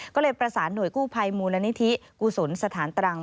ก็เลยประสานหน่วยกู้ภัยมูลนิธิกุศลสถานตรัง